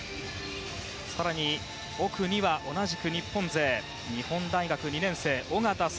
更に、奥には同じく日本勢日本大学２年生、小方颯。